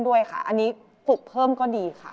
ด้วยค่ะอันนี้ฝึกเพิ่มก็ดีค่ะ